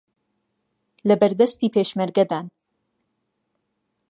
لەبەردەستی پێشمەرگەدان